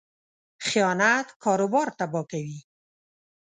خیانت کاروبار تباه کوي.